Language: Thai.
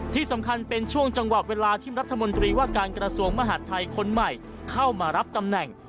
ที่สำคัญเป็นช่วงจังหวะเวลาที่รัฐมนตรีว่าการกระทรวงมหาดไทยคนใหม่เข้ามารับตำแหน่ง